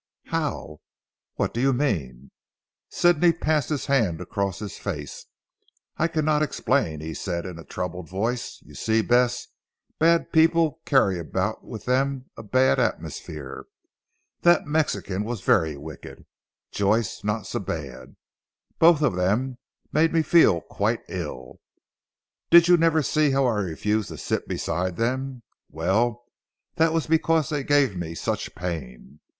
"How? What do you mean." Sidney passed his hand across his face. "I cannot explain," he said in a troubled voice, "you see Bess, bad people carry about with them a bad atmosphere. That Mexican was very wicked; Joyce not so bad. Both of them made me feel quite ill. Did you never see how I refused to sit beside them? Well, that was because they gave me such pain.